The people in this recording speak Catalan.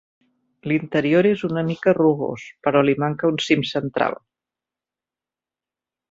L'interior és una mica rugós, però li manca un cim central.